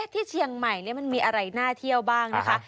ที่เชียงใหม่มันมีอะไรน่าเที่ยวบ้างนะคะ